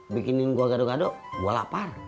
bikinin gua gaduk gaduk gua lapar